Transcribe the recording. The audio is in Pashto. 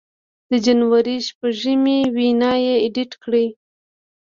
د جنوري شپږمې وینا یې اېډېټ کړې